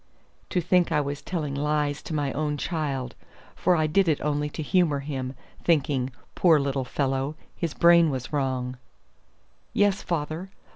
To think I was telling lies to my own child! for I did it only to humor him, thinking, poor little fellow, his brain was wrong. "Yes, father.